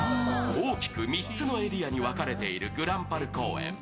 大きく３つのエリアに分かれているぐらんぱる公園。